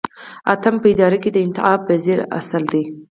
اتم په اداره کې د انعطاف پذیری اصل دی.